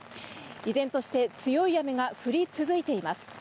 依然として強い雨が降り続いています。